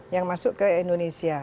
yang masuk ke indonesia